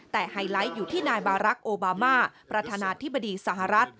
แต่ไฮไลท์อยู่ที่นายบารักษ์โอบามาประธานาธิบดีสหรัฐ